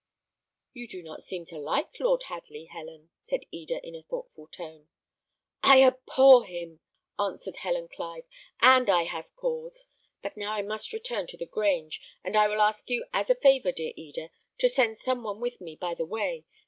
"You do not seem to like Lord Hadley, Helen," said Eda, in a thoughtful tone. "I abhor him," answered Helen Clive, "and I have cause. But now I must return to the Grange, and I will ask you as a favour, dear Eda, to send some one with me by the way.